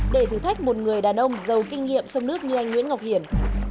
để thử thách một người đàn ông giàu kinh nghiệm sông nước như anh nguyễn ngọc hiển